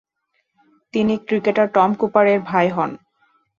তিনি cricketer Tom Cooper এর ভাই হন।